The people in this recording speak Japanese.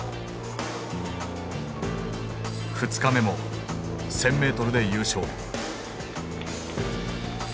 ２日目も１，０００ｍで優勝。